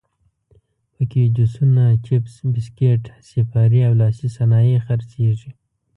په کې جوسونه، چپس، بسکیټ، سیپارې او لاسي صنایع خرڅېږي.